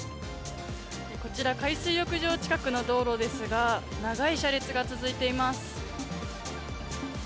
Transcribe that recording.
こちら海水浴場近くの道路ですが長い車列が続いています。